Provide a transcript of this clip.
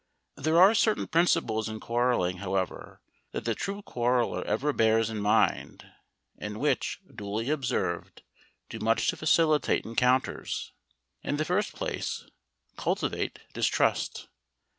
There are certain principles in quarrelling, however, that the true quarreller ever bears in mind, and which, duly observed, do much to facilitate encounters. In the first place, cultivate Distrust.